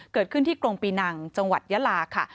เกิดขึ้นที่กรงปีนังจังหวัดยาลาค่ะ